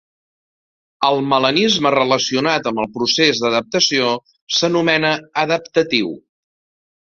El melanisme relacionat amb el procés d'adaptació s'anomena adaptatiu.